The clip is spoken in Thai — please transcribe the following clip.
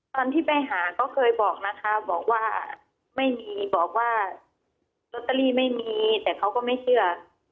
ตอนที่ไปหาก็เคยบอกนะคะบอกว่าไม่มีบอกว่าลอตเตอรี่ไม่มีแต่เขาก็ไม่เชื่อ